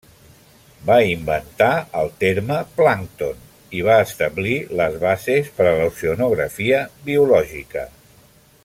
Va inventar el terme plàncton i va establir les bases per a l'oceanografia biològica.